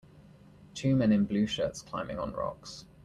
Two men in blue shirts climbing on rocks.